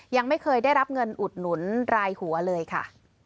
ยังไม่เคยได้รับเงินอุดหนุนรายหัวเลยค่ะ